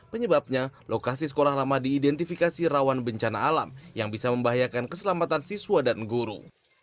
penyebabnya lokasi sekolah lama diidentifikasi rawan bencana alam yang bisa membahayakan keselamatan siswa dan guru